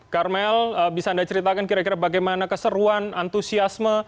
karmel bisa anda ceritakan kira kira bagaimana keseruan antusiasme